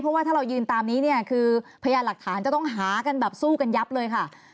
เพราะว่าถ้าเรายืนตามนี้เนี่ยคือพยานหลักฐานจะต้องหากันแบบสู้กันยับเลยค่ะ